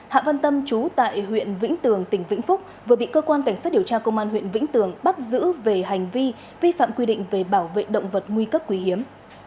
hạ văn tâm chú tại huyện vĩnh tường tỉnh vĩnh phúc vừa bị cơ quan cảnh sát điều tra công an huyện vĩnh tường bắt giữ về hành vi vi phạm quy định về bảo vệ động vật nguy cấp quý hiếm